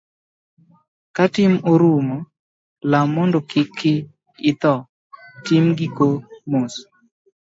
Ka tin orumo, lam mondo kiki itho, tim giki mos.